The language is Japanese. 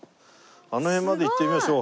あの辺まで行ってみましょう。